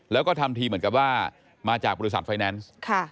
แล้วก็ทำทีเหมือนกับว่ามาจากบริษัทไฟแนนซ์